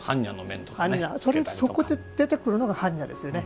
そこで出てくるのが般若ですよね。